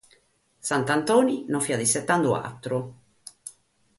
Sant’Antoni non fiat isetende àteru.